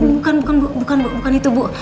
bukan bukan itu bu